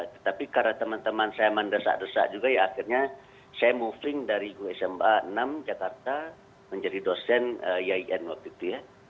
tetapi karena teman teman saya mendesak desak juga ya akhirnya saya moving dari guru sma enam jakarta menjadi dosen yain waktu itu ya